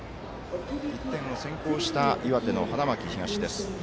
１点を先行した岩手の花巻東です。